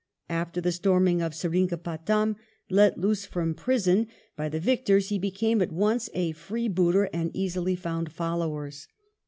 After the storming of Seringapatam, let loose from prison by the 50 WELLINGTON victors, he became at once a freebooter, and easily found followers.